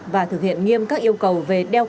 và thực hiện nghiêm các yêu cầu về đeo kính